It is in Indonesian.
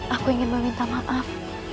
aku ingin meminta maaf